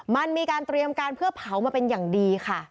มันมีการเตรียมการเพื่อเผามาเป็นอย่างดีค่ะ